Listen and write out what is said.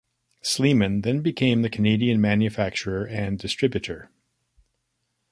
Sleeman then became the Canadian manufacturer and distributor.